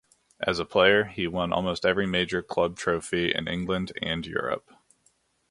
As a player, he won almost every major club trophy in England and Europe.